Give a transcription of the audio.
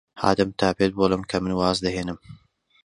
هاتم تا پێت بڵێم کە من واز دەهێنم.